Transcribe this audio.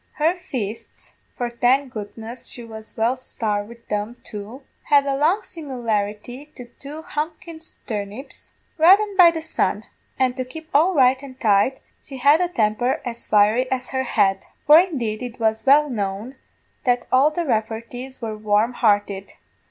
Her fists for, thank goodness, she was well sarved wid them too had a strong simularity to two thumpin' turnips, reddened by the sun; an' to keep all right and tight, she had a temper as fiery as her head for, indeed, it was well known that all the Rafferties were warm hearted.